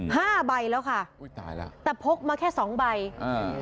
ห้าใบแล้วค่ะอุ้ยตายแล้วแต่พกมาแค่สองใบอ่า